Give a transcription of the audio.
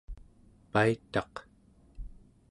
paitaq